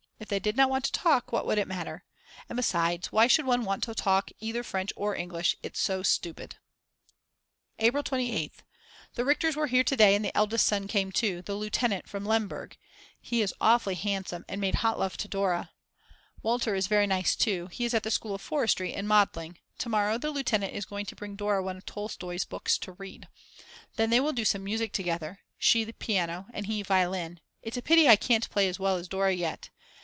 If they did not want to talk what would it matter? And besides why should one want to talk either French or English, it's so stupid. April 28th. The Richters were here to day, and the eldest son came too, the lieutenant from Lemberg; he is awfully handsome and made hot love to Dora; Walter is very nice too, he is at the School of Forestry in Modling; to morrow the lieutenant is going to bring Dora one of Tolstoi's books to read. Then they will do some music together, she piano and he violin; it's a pity I can't play as well as Dora yet.